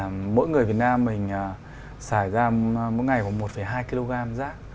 mỗi người việt nam mình xài ra mỗi ngày có một hai kg rác